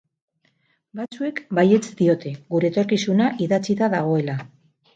Batzuek baietz diote, gure etorkizuna idatzia dagoela.